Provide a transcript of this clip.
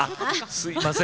すいません